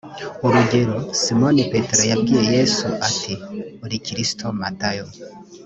urugero simoni petero yabwiye yesu ati uri kristo matayo